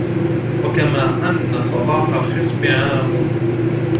وَكَمَا أَنَّ صَلَاحَ الْخِصْبِ عَامٌّ